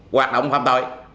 hoặc đối tượng không có điều kiện